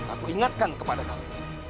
aku ingatkan kepada kamu